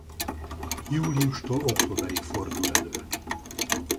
Júliustól októberig fordul elő.